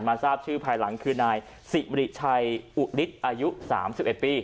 ทราบชื่อภายหลังคือนายสิริชัยอุฤทธิ์อายุ๓๑ปี